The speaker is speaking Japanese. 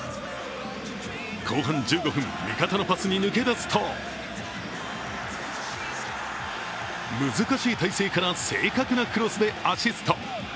後半１５分、味方のパスに抜け出すと難しい体勢から正確なクロスでアシスト。